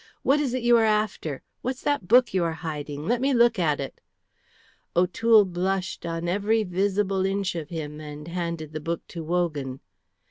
What is it you are after? What's that book you are hiding? Let me look at it!" O'Toole blushed on every visible inch of him and handed the book to Wogan.